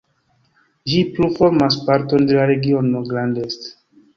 Ĝi plu formas parton de la regiono Grand Est.